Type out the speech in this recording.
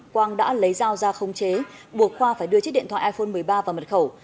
quang đã lấy dao ra khống chế buộc khoa phải đưa chiếc điện thoại iphone một mươi ba vào mật khẩu